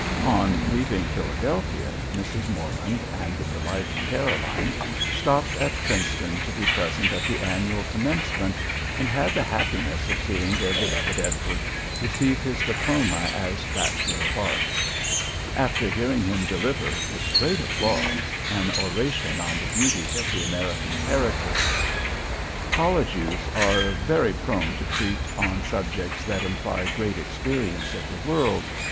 On leaving Philadelphia, Mrs. Morland and the delighted Caroline stopped at Princeton to be present at the annual commencement, and had the happiness of seeing their beloved Edward receive his diploma as bachelor of arts; after hearing him deliver, with great applause, an oration on the beauties of the American character. College youths are very prone to treat on subjects that imply great experience of the world.